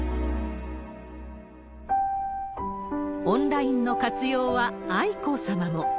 オンラインの活用は、愛子さまも。